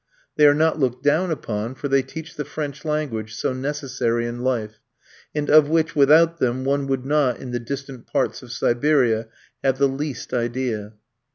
They are not looked down upon, for they teach the French language, so necessary in life, and of which without them one would not, in the distant parts of Siberia, have the least idea.